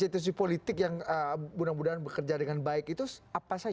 jadi politik yang mudah mudahan bekerja dengan baik itu apa saja